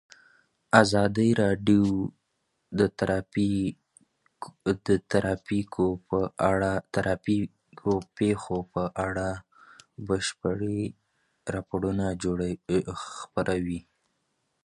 ازادي راډیو د ټرافیکي ستونزې په اړه د حقایقو پر بنسټ راپور خپور کړی.